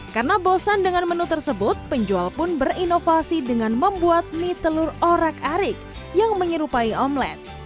karena bosan dengan menu tersebut penjual pun berinovasi dengan membuat mie telur orak arik yang menyerupai omelette